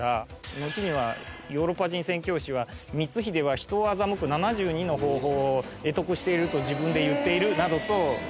のちにはヨーロッパ人宣教師は「光秀は人を欺く７２の方法を会得していると自分で言っている」などという。